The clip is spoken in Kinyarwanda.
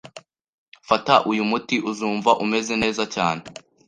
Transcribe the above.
Fata uyu muti, uzumva umeze neza cyane.